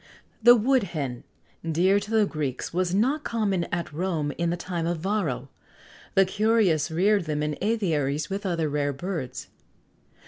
The Wood Hen, dear to the Greeks,[XX 84] was not common at Rome in the time of Varro. The curious reared them in aviaries with other rare birds.